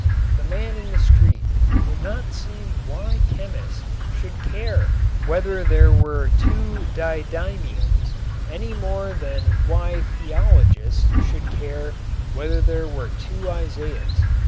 The man in the street did not see why chemists should care whether there were two didymiums any more than why theologians should care whether there were two Isaiahs.